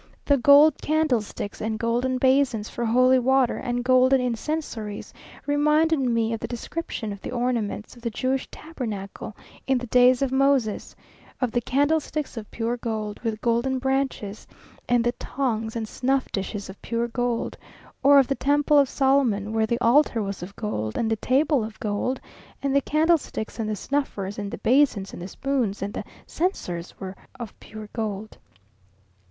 The gold candlesticks and golden basins for holy water, and golden incensories, reminded me of the description of the ornaments of the Jewish tabernacle in the days of Moses; of the "candlesticks of pure gold, with golden branches;" and "the tongs and snuff dishes of pure gold:" or of the temple of Solomon, where the altar was of gold, and the table of gold, and the candlesticks and the snuffers, and the basins, and the spoons, and the censors were of pure gold.